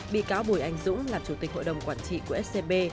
bị cáo bùi anh dũng là chủ tịch hội đồng quản trị của scb